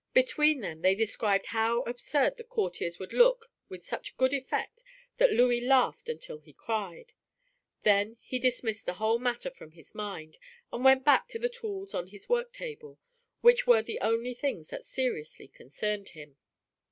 Between them they described how absurd the courtiers would look with such good effect that Louis laughed until he cried. Then he dismissed the whole matter from his mind and went back to the tools on his work table, which were the only things that seriously concerned him.